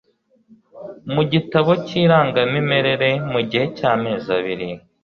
mu gitabo cy irangamimere mu gihe cy amezi abiri